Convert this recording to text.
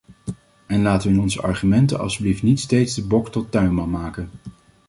En laten we in onze argumenten alstublieft niet steeds de bok tot tuinman maken.